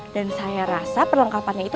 dan saya rasa perlengkapannya itu